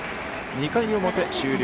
２回表、終了。